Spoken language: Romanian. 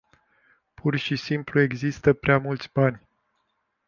Pur și simplu există prea mulți bani.